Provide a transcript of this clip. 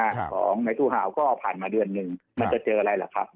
ของในตู้หาวก็ผ่านมาเดือนหนึ่งมันจะเจออะไรล่ะครับ